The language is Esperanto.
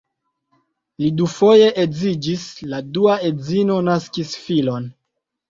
Li dufoje edziĝis, la dua edzino naskis filon.